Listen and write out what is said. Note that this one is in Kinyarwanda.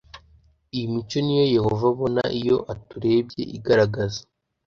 Iyo mico ni yo Yehova abona iyo aturebye Igaragaza